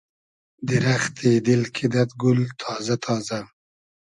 دیرئختی دیل کیدئد گول تازۂ تازۂ